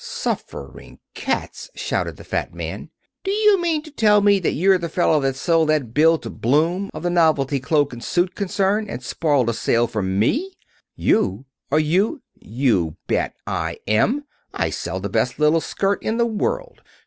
"Suffering cats!" shouted the fat man. "D' you mean to tell me that you're the fellow who sold that bill to Blum, of the Novelty Cloak and Suit concern, and spoiled a sale for me?" "You! Are you " "You bet I am. I sell the best little skirt in the world.